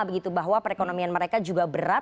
begitu bahwa perekonomian mereka juga berat